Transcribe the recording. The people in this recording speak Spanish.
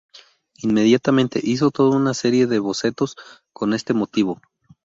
Inmediatamente hizo toda una serie de bocetos con este motivo.